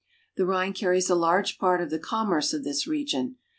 The Rhine carries a large part of the commerce of this region.